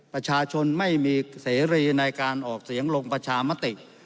ประชาชนไม่มีเสรีในการออกเสียงลงประชามติ